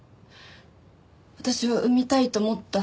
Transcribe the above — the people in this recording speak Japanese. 私は産みたいと思った。